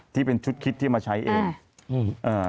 ที่เป็นชุดคิดที่มาใช้เอง